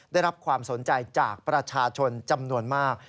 ได้รับความสนใจจากประชาชนจำนวนมาก